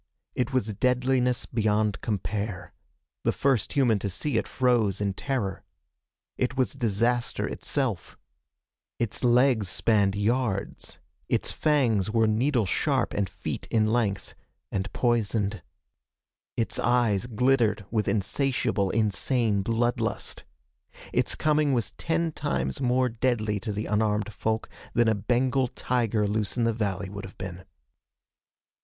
It was deadliness beyond compare. The first human to see it froze in terror. It was disaster itself. Its legs spanned yards. Its fangs were needle sharp and feet in length and poisoned. Its eyes glittered with insatiable, insane blood lust. Its coming was ten times more deadly to the unarmed folk than a Bengal tiger loose in the valley would have been.